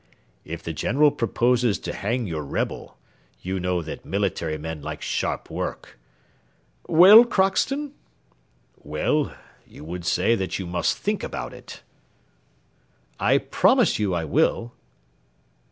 "If the General proposes to hang your rebel you know that military men like sharp work " "Well, Crockston?" "Well, you will say that you must think about it." "I promise you I will."